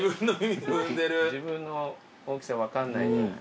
自分の大きさ分かんない。